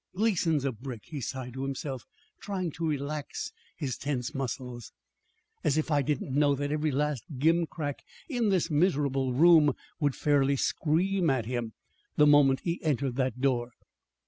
"Gleason's a brick," he sighed to himself, trying to relax his tense muscles. "As if I didn't know that every last gimcrack in this miserable room would fairly scream at him the moment he entered that door!"